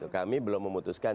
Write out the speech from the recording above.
kami belum memutuskan